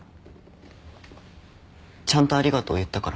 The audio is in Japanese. ちゃんとありがとう言ったから。